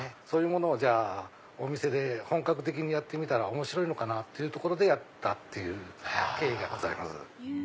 そういうものをお店で本格的にやってみたら面白いかなってところでやったっていう経緯がございます。